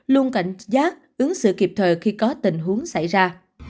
luôn cảnh giác ứng xử kịp thời khi có tình huống xảy ra